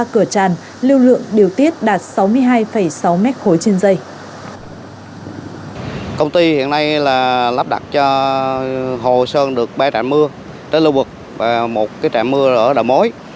ba cửa tràn lưu lượng điều tiết đạt sáu mươi hai sáu m khối trên dây